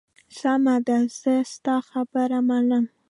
سمه ده، زه ستا خبره منم.